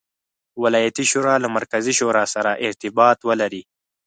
ولایتي شورا له مرکزي شورا سره ارتباط ولري.